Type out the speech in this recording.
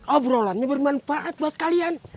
obrolannya bermanfaat buat kalian